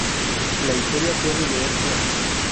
La historia puede leerse aquí